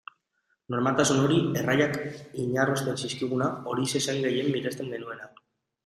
Normaltasun hori, erraiak inarrosten zizkiguna, horixe zen gehien miresten genuena.